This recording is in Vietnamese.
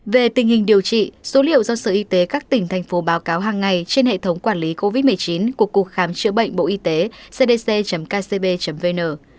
về tình hình điều trị số liệu do sở y tế các tỉnh thành phố báo cáo hàng ngày trên hệ thống quản lý covid một mươi chín của cục khám chữa bệnh bộ y tế cdc kcb vn